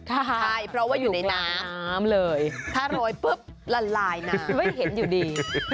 ใช่เพราะว่าอยู่ในน้ำน้ำเลยถ้าโรยปุ๊บละลายน้ำไม่เห็นอยู่ดี